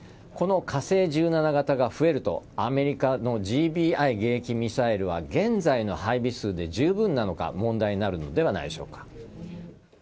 この火星１７型が増えるとアメリカのＧＢＩ迎撃ミサイルは現在の配備数でじゅうぶんなのか問題になるのではないでしょうか。